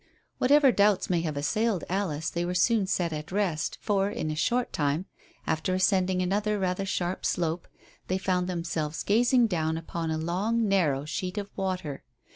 Whatever doubts may have assailed Alice they were soon set at rest, for, in a short time, after ascending another rather sharp slope, they found themselves gazing down upon a long, narrow sheet of water.